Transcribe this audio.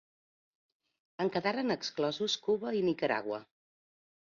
En quedaren exclosos Cuba i Nicaragua.